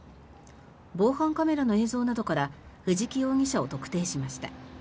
防犯カメラの映像などから藤木容疑者を特定しました。